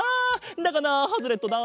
だがなハズレットだ。